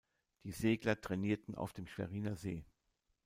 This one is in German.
Die Segler trainierten auf dem Schweriner See.